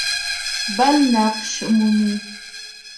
بل نقش مومي.